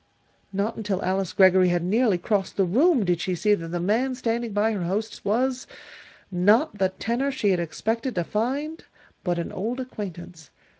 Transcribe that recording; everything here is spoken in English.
Not until Alice Greggory had nearly crossed the room did she see that the man standing by her hostess was not the tenor she had expected to find but an old acquaintance.